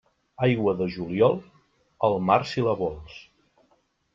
Aigua de juliol, al mar si la vols.